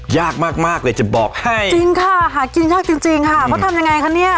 ยากมากมากเลยจะบอกให้จริงค่ะหากินยากจริงจริงค่ะเขาทำยังไงคะเนี่ย